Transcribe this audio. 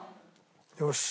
よし。